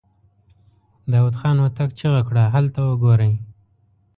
داوود خان هوتک چيغه کړه! هلته وګورئ!